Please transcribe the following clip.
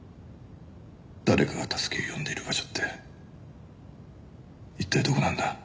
誰かが助けを呼んでいる場所って一体どこなんだ？